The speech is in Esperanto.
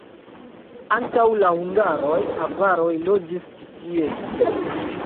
Antaŭ la hungaroj avaroj loĝis ĉi tie.